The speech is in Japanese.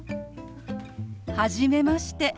はじめまして。